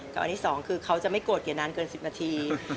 แต่วันที่สองคือเขาจะไม่โกรธเก๋นานเกินสิบนาที